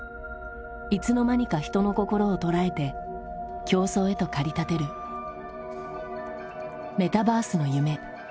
いつの間にか人の心を捉えて競争へと駆り立てるメタバースの夢。